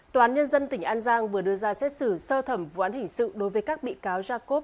tòa án nhân dân tỉnh an giang vừa đưa ra xét xử sơ thẩm vụ án hình sự đối với các bị cáo jacob